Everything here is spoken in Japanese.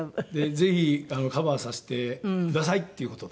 「ぜひカバーさせてください」っていう事で。